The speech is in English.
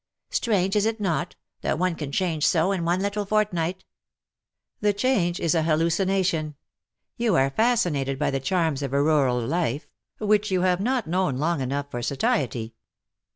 Strange, is it not, that one can change so, in one little fortnight." ^' The change is an hallucination. You are fasci nated by the charms of a rural life, which you have not known long enough for satiety.